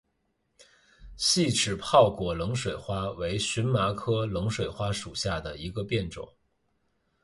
细齿泡果冷水花为荨麻科冷水花属下的一个变种。